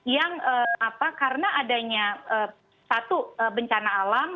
yang apa karena adanya satu bencana alam